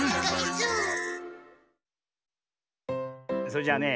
それじゃあね